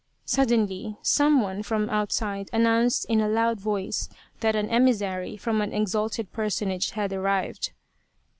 Suddenly, some one from outside announced in a loud voice that an emissary from an exalted personage had arrived.